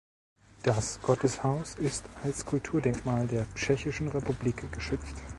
Das Gotteshaus ist als Kulturdenkmal der Tschechischen Republik geschützt.